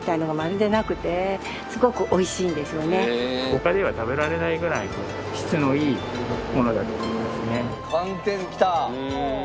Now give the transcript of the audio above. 他では食べられないぐらい質のいいものだと思いますね。